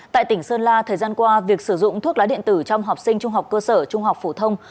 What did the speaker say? tại tỉnh sơn la thời gian qua việc sử dụng thuốc lá điện tử trong học sinh trung học cơ sở trung học phổ thông